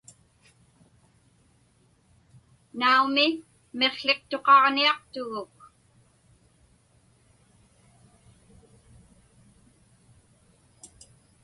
Naumi, miqłiqtuqaġniaqtuguk.